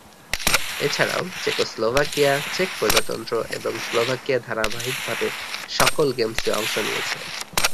এছাড়াও চেকোস্লোভাকিয়া, চেক প্রজাতন্ত্র এবং স্লোভাকিয়া ধারাবাহিকভাবে সকল গেমসে অংশ নিয়েছে।